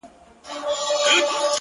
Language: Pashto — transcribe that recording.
پورته کښته سم په زور و زېر باڼه _